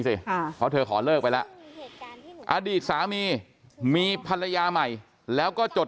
สิค่ะเพราะเธอขอเลิกไปแล้วอดีตสามีมีภรรยาใหม่แล้วก็จด